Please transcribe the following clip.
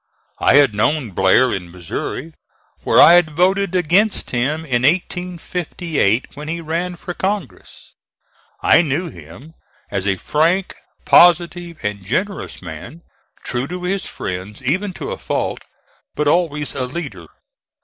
I had known Blair in Missouri, where I had voted against him in 1858 when he ran for Congress. I knew him as a frank, positive and generous man, true to his friends even to a fault, but always a leader.